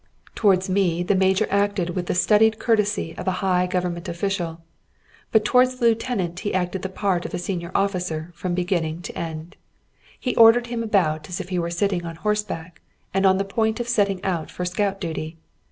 Towards me the major acted with the studied courtesy of a high Government official, but towards the lieutenant he acted the part of a senior officer from beginning to end. He ordered him about as if he were sitting on horseback and on the point of setting out for scout duty.